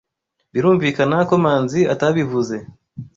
Birumvikana ko Manzi atabivuze.